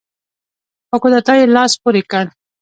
په کودتا یې لاس پورې کړ.